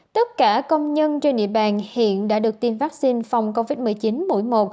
tất cả công nhân trên địa bàn hiện đã được tiêm vaccine phòng covid một mươi chín mũi một